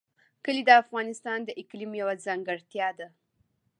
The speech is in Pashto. کلي د افغانستان د اقلیم یوه ځانګړتیا ده.